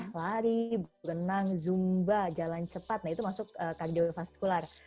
lari berenang zumba jalan cepat nah itu masuk kardiofaskular